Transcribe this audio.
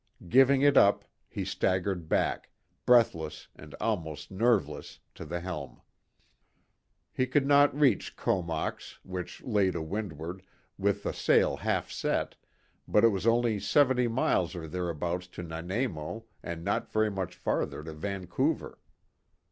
Giving it up, he staggered back, breathless and almost nerveless, to the helm. He could not reach Comox, which lay to windward, with the sail half set, but it was only seventy miles or thereabouts to Nanaimo and not very much farther to Vancouver.